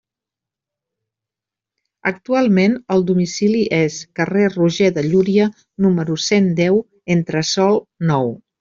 Actualment el domicili és carrer Roger de Llúria, número cent deu, entresòl nou.